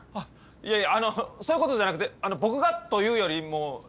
いやいやそういうことじゃなくて僕がというよりも周りが。